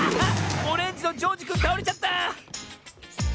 オレンジのジョージくんたおれちゃった！